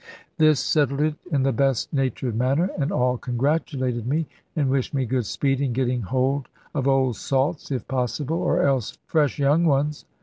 This settled it in the best natured manner; and all congratulated me, and wished me good speed in getting hold of old salts, if possible, or else fresh young ones.